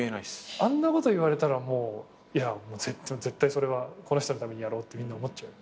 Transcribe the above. あんなこと言われたらいや絶対それはこの人のためにやろうってみんな思っちゃうよね。